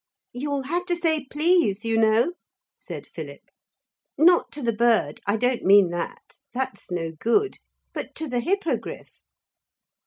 'You'll have to say please, you know,' said Philip; 'not to the bird, I don't mean that: that's no good. But to the Hippogriff.'